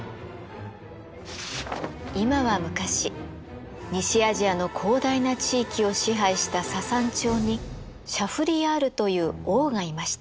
今は昔西アジアの広大な地域を支配したササン朝にシャフリヤールという王がいました。